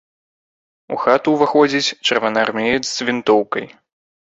У хату ўваходзіць чырвонаармеец з вінтоўкай.